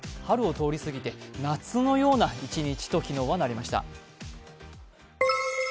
春を通り過ぎて夏のような１日と昨日はなりました